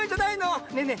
ねえねえ